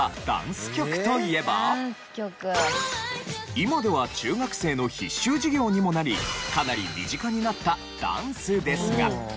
今では中学生の必修授業にもなりかなり身近になったダンスですが。